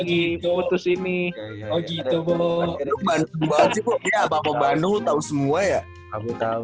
itu temen gua makanya gua tahu